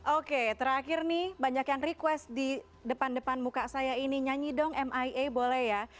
oke terakhir nih banyak yang request di depan depan muka saya ini nyanyi dong mia boleh ya